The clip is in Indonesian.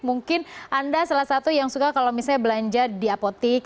mungkin anda salah satu yang suka kalau misalnya belanja di apotik